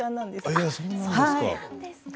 あっそうなんですか。